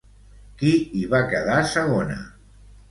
Qui hi va quedar segona?